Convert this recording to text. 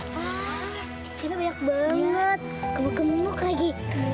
wah cinta banyak banget kemuk kemuk lagi